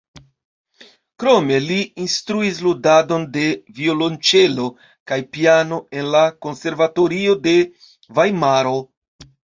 Krome li instruis ludadon de violonĉelo kaj piano en la Konservatorio de Vajmaro.